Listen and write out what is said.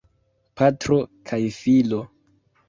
Patro kaj filo.